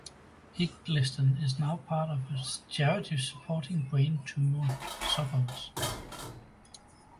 Igglesden is now part of a charity supporting brain tumour sufferers.